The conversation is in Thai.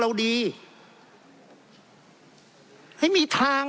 เพราะเรามี๕ชั่วโมงครับท่านนึง